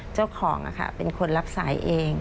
เจ้าของเป็นคนรับสายเอง